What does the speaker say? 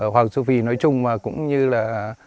hoàng su phi nói chung và cũng như là